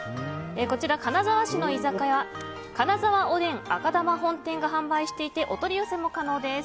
こちら、金沢市の居酒屋金澤おでん赤玉本店が販売していてお取り寄せも可能です。